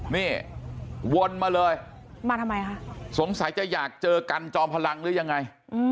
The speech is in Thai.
นี่วนมาเลยมาทำไมคะสงสัยจะอยากเจอกันจอมพลังหรือยังไง